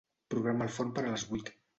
Programa el forn per a les vuit.